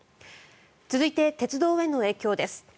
続いて、鉄道への影響です。